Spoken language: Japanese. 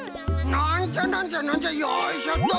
なんじゃなんじゃなんじゃよいしょっと。